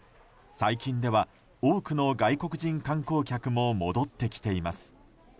最近では多くの外国人観光客も戻ってきています。